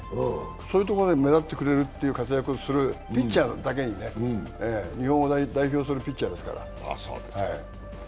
そういうところで目立ってくれる活躍をするピッチャーだけに日本を代表するピッチャーですから。